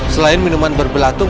selain minuman berbelatung